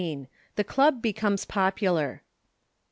THE CLUB BECOMES POPULAR.